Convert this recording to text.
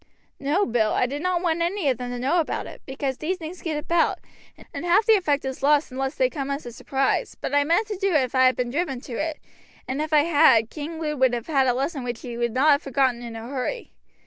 "No, Bill, I did not want any of them to know about it, because these things get about, and half the effect is lost unless they come as a surprise; but I meant to do it if I had been driven to it, and if I had, King Lud would have had a lesson which he would not have forgotten in a hurry.